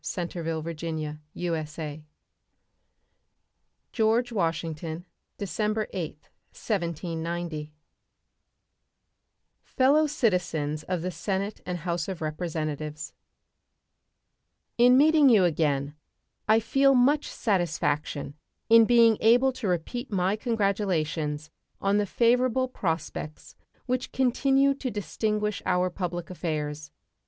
State of the Union Address George Washington December 8, 1790 Fellow Citizens of the Senate and House of Representatives: In meeting you again I feel much satisfaction in being able to repeat my congratulations on the favorable prospects which continue to distinguish our public affairs.